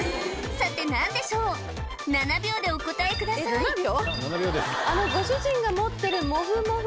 さて何でしょう７秒でお答えくださいえっ７秒？